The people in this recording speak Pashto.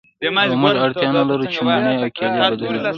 او موږ اړتیا نلرو چې مڼې او کیلې بدلې کړو